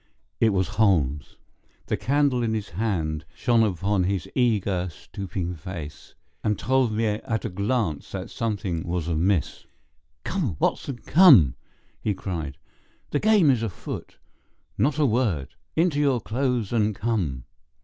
It was Holmes. The candle in his hand shone upon his eager, stooping face, and told me at a glance that something was amiss. "Come, Watson, come!" he cried. "The game is afoot. Not a word! Into your clothes and come!"